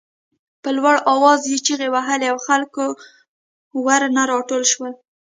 په لوړ آواز یې چغې وهلې او خلک ورنه راټول شول.